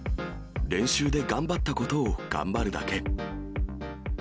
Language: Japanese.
練習で頑張ったことを頑張るだけ。